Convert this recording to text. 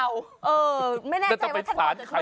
เออไม่น่าใจว่าท่านบอกจะช่วยได้หรือเปล่าไงศาลหาย